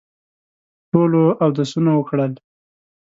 ټولو اودسونه وکړل.